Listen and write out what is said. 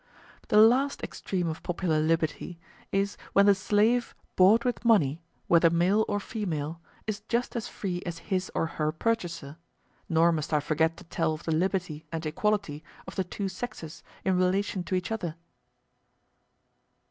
The last extreme of popular liberty is when the slave bought with money, whether male or female, is just as free as his or her purchaser; nor must I forget to tell of the liberty and equality of the two sexes in relation to each other.